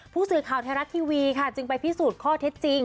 ผู้สื่อข่าวไทยรัฐทีวีค่ะจึงไปพิสูจน์ข้อเท็จจริง